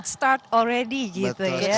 start already gitu ya